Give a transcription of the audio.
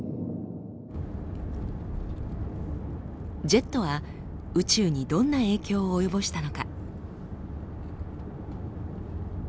ジェットは宇宙にどんな影響を及ぼしたのか？